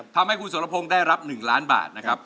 ทำให้คุณสรพงศ์ได้รับ๑ล้านบาทนะครับ